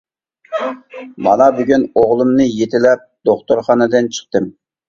مانا بۈگۈن ئوغلۇمنى يېتىلەپ دوختۇرخانىدىن چىقتىم.